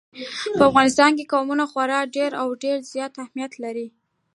په افغانستان کې قومونه خورا ډېر او ډېر زیات اهمیت لري.